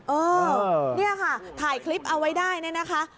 เออเนี่ยค่ะถ่ายคลิปเอาไว้ได้เนี่ยนะคะ